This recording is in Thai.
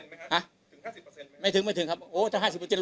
ห้าสิบเปอร์เซ็นต์ไหมไม่ถึงไม่ถึงครับโอ้ถ้าห้าสิบเปอร์เซ็นต์